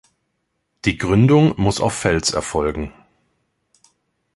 Die Gründung muss auf Fels erfolgen.